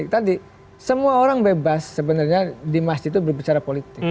tadi semua orang bebas sebenarnya di masjid itu berbicara politik